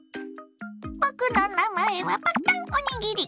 僕の名前はパッタンおにぎり。